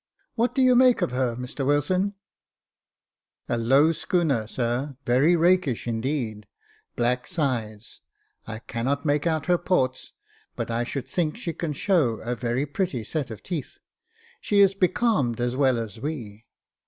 What do you make of her, Mr Wilson ?"" A low schooner, sir, very rakish indeed, black sides. I cannot make out her ports ; but I should think she can show a very pretty set of teeth. She is becalmed as well as we."